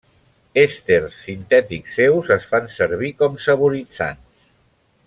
Èsters sintètics seus es fan servir com saboritzants.